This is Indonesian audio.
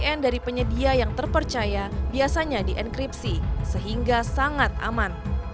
pembelian dari penyedia yang terpercaya biasanya dienkripsi sehingga sangat aman